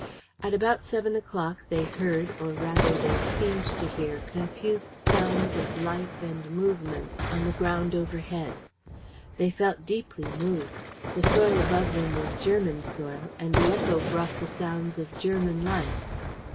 At about seven o'clock they heard or rather they seemed to hear confused sounds of life and movement on the ground overhead. They felt deeply moved. The soil above them was German soil; and the echo brought the sounds of German life.